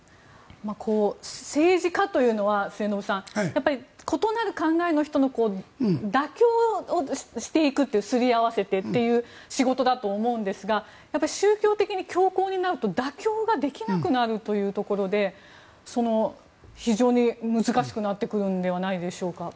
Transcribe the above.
政治家というのは末延さん異なる考えの人と妥協していくというすり合わせてという仕事だと思うんですが宗教的に強硬になると妥協ができなくなるというところで非常に難しくなってくるんではないでしょうか。